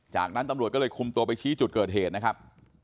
จากนั้นตำรวจก็เลยคุมตัวไปชี้จุดเกิดเหตุนะครับ